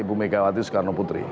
ibu megawati soekarno putri